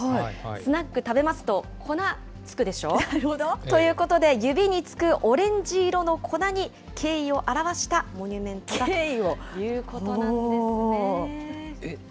スナック食べますと、粉、付くでしょ？ということで、指に付くオレンジ色の粉に、敬意を表したモニュメどういうことですか？